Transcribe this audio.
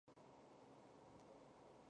其上路活动。